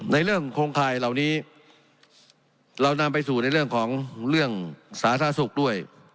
ในเรื่องโครงข่ายเหล่านี้เรานำไปสู่ในเรื่องของเรื่องสาธารณสุขด้วย